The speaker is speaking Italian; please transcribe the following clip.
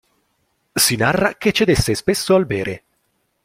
Si narra che cedesse spesso al bere.